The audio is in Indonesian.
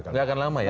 nggak akan lama ya